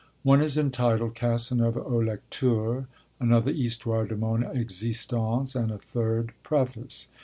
One is entitled Casanova au Lecteur, another Histoire de mon Existence, and a third Preface.